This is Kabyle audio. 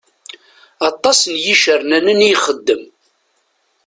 Aṭas n yicernanen i ixedem.